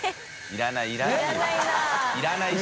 いらないな